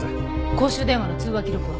公衆電話の通話記録は？